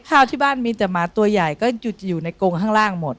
ข้าวที่บ้านมีแต่หมาตัวใหญ่ก็จะอยู่ในกงข้างล่างหมด